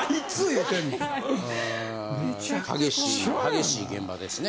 激しい現場ですね。